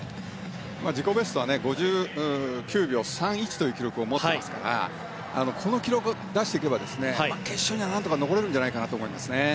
自己ベストは５９秒３１という記録を持っていますからこの記録を出していけば決勝には何とか残れるんじゃないかなと思いますね。